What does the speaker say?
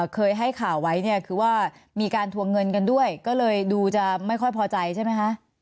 เคยให้ข่าวไว้เนี่ยคือว่ามีการทวงเงินกันด้วยก็เลยดูจะไม่ค่อยพอใจใช่ไหมคะ